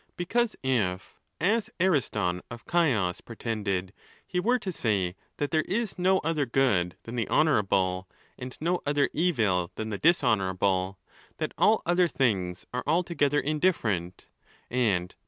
—Because if, as Ariston of Chios pretended, he were to say that there is no other good than the honourable, and no other evil than the dishonourable; that all other things are altogether indifferent, and that.